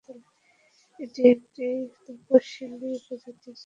এটি এটি তপসিলী উপজাতিদের জন্য সংরক্ষিত আসন।